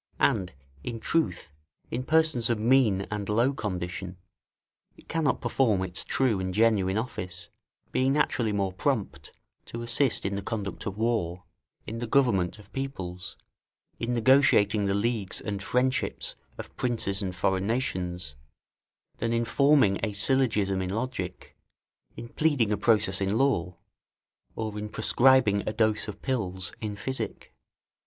And, in truth, in persons of mean and low condition, it cannot perform its true and genuine office, being naturally more prompt to assist in the conduct of war, in the government of peoples, in negotiating the leagues and friendships of princes and foreign nations, than in forming a syllogism in logic, in pleading a process in law, or in prescribing a dose of pills in physic.